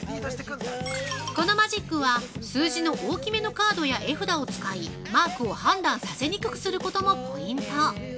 ◆このマジックは数字の大きめのカードや絵札を使い、マークを判断させにくくすることもポイント。